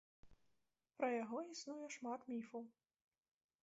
Пра яго існуе шмат міфаў.